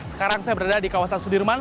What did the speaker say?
sekarang saya berada di kawasan sudirman